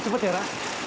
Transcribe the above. cepat ya ra